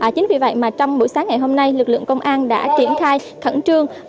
chính vì vậy mà trong buổi sáng ngày hôm nay lực lượng công an đã triển khai khẩn trương